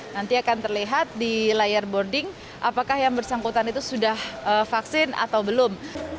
nanti akan terlihat di layar boarding apakah yang bersangkutan itu sudah vaksin atau belum